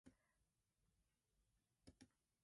Battle songs resounded everywhere.